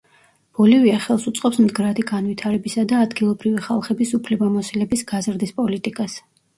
ბოლივია ხელს უწყობს მდგრადი განვითარებისა და ადგილობრივი ხალხების უფლებამოსილების გაზრდის პოლიტიკას.